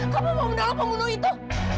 kamu mau undang pembunuh itu